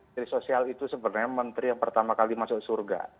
menteri sosial itu sebenarnya menteri yang pertama kali masuk surga